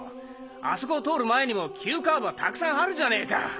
あそこを通る前にも急カーブはたくさんあるじゃねえか！